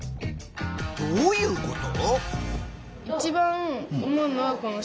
どういうこと？